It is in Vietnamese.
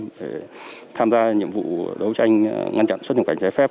để tham gia nhiệm vụ đấu tranh ngăn chặn xuất nhập cảnh trái phép